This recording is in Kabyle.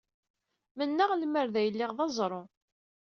Mennaɣ lemmer d ay lliɣ d aẓru.